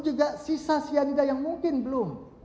juga sisa cyanida yang mungkin belum